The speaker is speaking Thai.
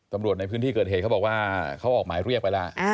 ตำรวจในพื้นที่เกิดเหตุเขาบอกว่าเขาออกหมายเรียกไปแล้ว